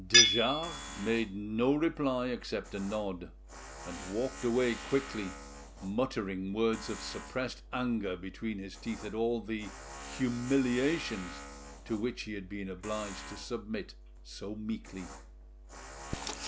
De Jars made no reply except a nod, and walked away quickly, muttering words of suppressed anger between his teeth at all the—humiliations to which he had been obliged to submit so meekly.